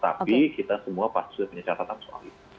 tapi kita semua pasti sudah punya catatan soal itu